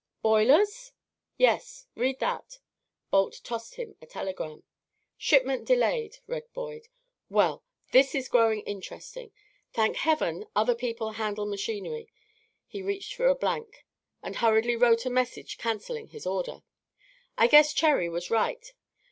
"Boilers?" "Yes. Read that." Balt tossed him a telegram. "'Shipment delayed,'" read Boyd. "Well! This is growing interesting. Thank Heaven, other people handle machinery!" He reached for a blank, and hurriedly wrote a message cancelling his order. "I guess Cherry was right.